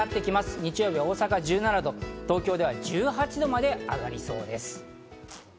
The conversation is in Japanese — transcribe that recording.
日曜日は大阪１７度、東京で１８度まで上がりそうです。